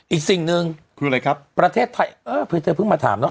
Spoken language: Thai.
อีกสิ่งหนึ่งคืออะไรครับประเทศไทยเออเธอเพิ่งมาถามเนอ